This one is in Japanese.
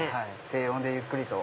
低温でゆっくりと。